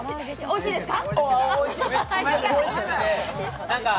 おいしいですか？